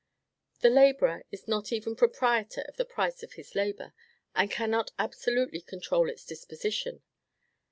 The laborer is not even proprietor of the price of his labor, and cannot absolutely control its disposition.